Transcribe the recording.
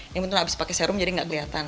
yang penting abis pakai serum jadi tidak kelihatan